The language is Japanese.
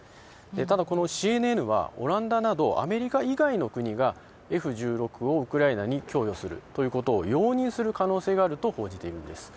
ただ、このＣＮＮはオランダなどアメリカ以外の国がＦ１６をウクライナに供与することを容認する可能性があると報じているんです。